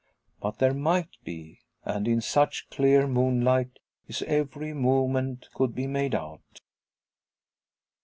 But there might be; and in such clear moonlight his every movement could be made out.